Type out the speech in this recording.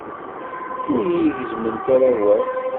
Ur yi-gezzmemt ara awal.